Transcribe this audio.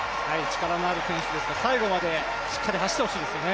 力のある選手ですから最後までしっかり走ってほしいです。